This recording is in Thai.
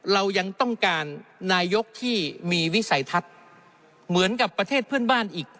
เรายังต้องการนายกที่มีวิสัยทัศน์เหมือนกับประเทศเพื่อนบ้านอีก